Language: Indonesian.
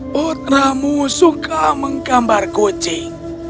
putramu suka menggambar kucing